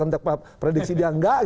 atau prediksi dia enggak